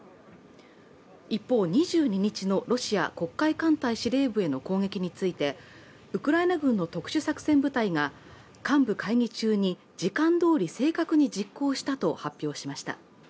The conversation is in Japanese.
一方、２２日のロシア黒海艦隊司令部への攻撃についてウクライナ軍の特殊作戦部隊が幹部会議中に正確に実行したと発表しました。